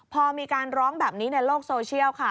พอมีการร้องแบบนี้ในโลกโซเชียลค่ะ